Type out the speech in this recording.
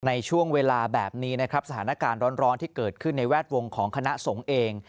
ในช่วงเวลาแบบนี้นะครับสถานการณ์ร้อนที่เกิดขึ้นในแวดวงของคณะสงฆ์เอง